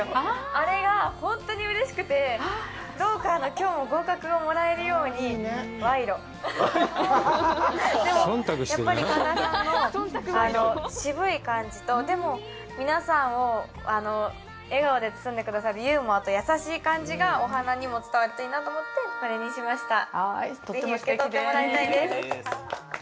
あれがほんとにうれしくてどうかな今日も合格がもらえるように賄賂でもやっぱり神田さんの渋い感じとでも皆さんを笑顔で包んでくださるユーモアと優しい感じがお花にも伝わるといいなと思ってこれにしました是非受け取ってもらいたいです